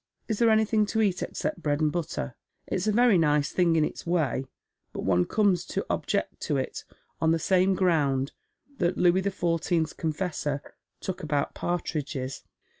Is there anything to eat except bread and butter ? It's a very nice thing in its way, but one comes to object to it on the same gromid that Louis the Fourteenth's confessor took about partridges."